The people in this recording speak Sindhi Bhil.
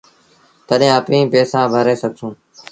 تڏهيݩ اپيٚن پئيٚسآ ڀري سگھسون